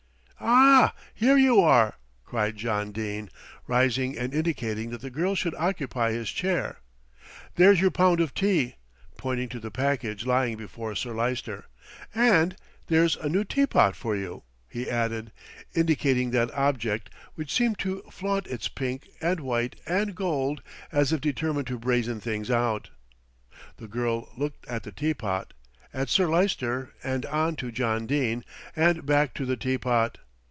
"Ah! here you are," cried John Dene, rising and indicating that the girl should occupy his chair. "There's your pound of tea," pointing to the package lying before Sir Lyster, "and there's a new teapot for you," he added, indicating that object, which seemed to flaunt its pink and white and gold as if determined to brazen things out. The girl looked at the teapot, at Sir Lyster and on to John Dene, and back to the teapot.